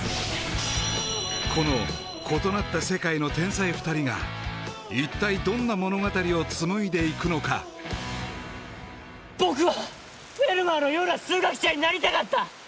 この異なった世界の天才２人が一体どんな物語を紡いでいくのか僕はフェルマーのような数学者になりたかった！